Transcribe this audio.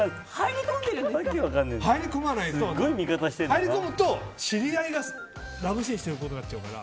入り込むと知り合いがラブシーンしていることになっちゃうから。